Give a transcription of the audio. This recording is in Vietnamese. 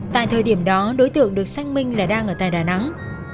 tại thời điểm đó đối tượng được xác minh là đang ở tại đà nẵng